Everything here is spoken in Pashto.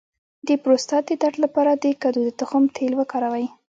د پروستات د درد لپاره د کدو د تخم تېل وکاروئ